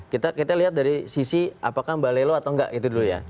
kita lihat dari sisi apakah mbak lelo atau enggak itu dulu ya